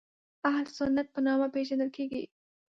اهل سنت په نامه پېژندل کېږي.